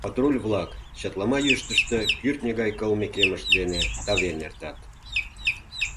Патруль-влак чатлама йӱштыштӧ кӱртньӧ гай кылме кемышт дене тавен эртат.